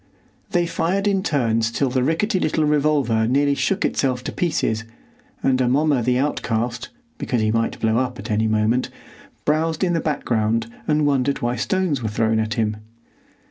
They fired in turns till the rickety little revolver nearly shook itself to pieces, and Amomma the outcast—because he might blow up at any moment—browsed in the background and wondered why stones were thrown at him.